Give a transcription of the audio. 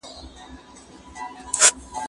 که وخت وي، مرسته کوم؟!